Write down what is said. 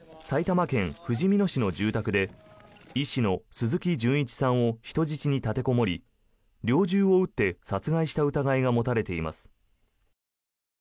埼玉県ふじみ野市の住宅で医師の鈴木純一さんを人質に立てこもり猟銃を撃って殺害した疑いが持たれています。